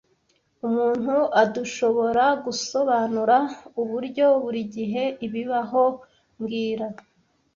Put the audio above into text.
Umuntu ardushoboragusobanura uburyo burigihe bibaho mbwira